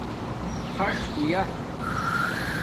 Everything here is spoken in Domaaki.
خَݽ ہویآ